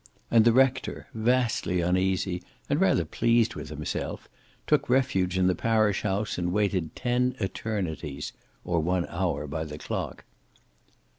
And the rector, vastly uneasy and rather pleased with himself, took refuge in the parish house and waited ten eternities, or one hour by the clock.